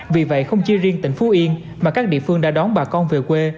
vì vậy không chỉ riêng tỉnh phú yên mà các địa phương đã đón bà con về quê